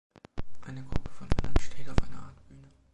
Eine Gruppe von Männern steht auf einer Art Bühne.